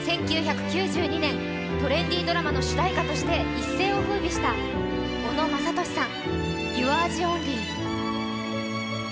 １９９２年、トレンディドラマの主題歌として一世をふうびした小野正利さん、「Ｙｏｕ’ｒｅｔｈｅＯｎｌｙ」。